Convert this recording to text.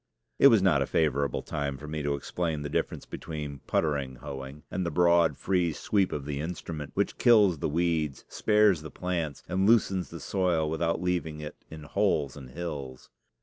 It was not a favorable time for me to explain the difference between puttering hoeing and the broad, free sweep of the instrument which kills the weeds, spares the plants, and loosens the soil without leaving it in holes and hills.